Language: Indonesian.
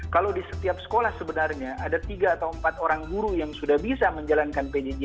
kalau di setiap sekolah sebenarnya ada tiga atau empat orang guru yang sudah bisa menjalankan pjj